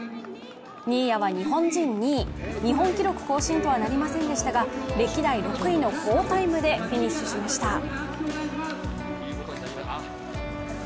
新谷は日本人２位、日本記録更新とはなりませんでしたが歴代６位の好タイムでフィニッシュしました。